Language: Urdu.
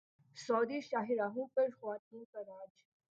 سعودی شاہراہوں پر خواتین کا راج